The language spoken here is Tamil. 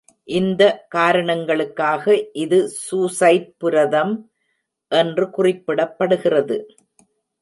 இந்த காரணங்களுக்காக, இது சூசைட் புரதம் என்று குறிப்பிடப்படுகிறது.